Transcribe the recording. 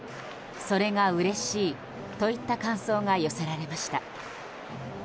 それがうれしいといった感想が寄せられました。